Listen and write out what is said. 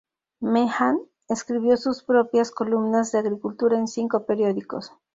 Meehan escribió sus propias columnas de agricultura en cinco periódicos.